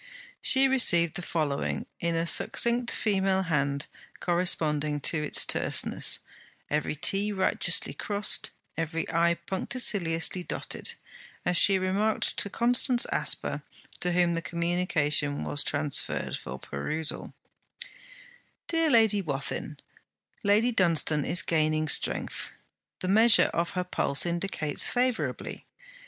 She received the following, in a succinct female hand corresponding to its terseness; every 't' righteously crossed, every 'i' punctiliously dotted, as she remarked to Constance Asper, to whom the communication was transferred for perusal: 'DEAR LADY WATHIN, Lady Dunstane is gaining strength. The measure of her pulse indicates favourably.